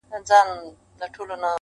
• چا ته دم چا ته دوا د رنځ شفا سي..